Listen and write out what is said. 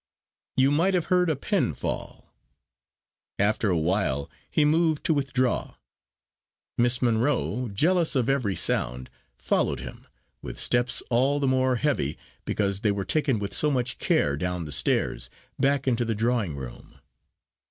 You might have heard a pin fall. After a while he moved to withdraw. Miss Monro, jealous of every sound, followed him, with steps all the more heavy because they were taken with so much care, down the stairs, back into the drawing room.